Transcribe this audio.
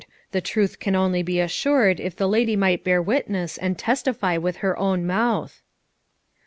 The truth can only be assured if the lady might bear witness and testify with her own mouth."